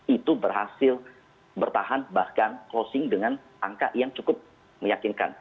itu berhasil bertahan bahkan closing dengan angka yang cukup meyakinkan